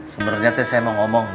sebenernya saya mau ngomong